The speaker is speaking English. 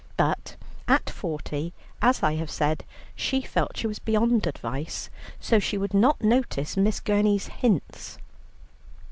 But at forty, as I have said, she felt she was beyond advice, so she would not notice Miss Gurney's hints.